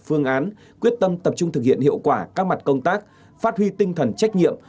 phương án quyết tâm tập trung thực hiện hiệu quả các mặt công tác phát huy tinh thần trách nhiệm